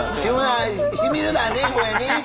しみるだねこれね。